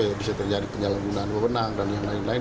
ya bisa terjadi penyalahgunaan wewenang dan yang lain lain